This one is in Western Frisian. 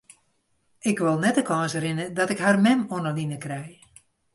Ik wol net de kâns rinne dat ik har mem oan 'e line krij.